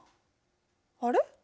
あれ？